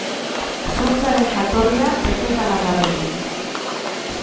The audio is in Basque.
Zuntzaren jatorria begetala da beti.